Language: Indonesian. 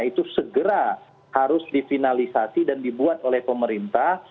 itu segera harus difinalisasi dan dibuat oleh pemerintah